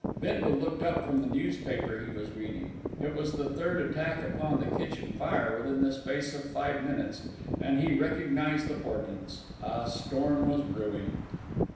Bindle looked up from the newspaper he was reading. It was the third attack upon the kitchen fire within the space of five minutes, and he recognised the portents a storm was brewing.